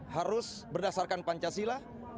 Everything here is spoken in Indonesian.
harus berdasarkan pancasila